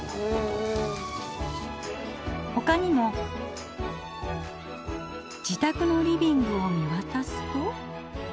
ほかにも自宅のリビングを見わたすと。